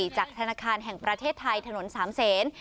จากธนาคารแห่งประเทศไทยถนนสามเศษ